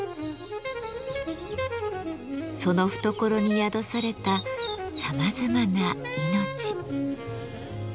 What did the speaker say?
その懐に宿されたさまざまな命。